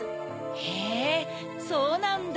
へぇそうなんだ。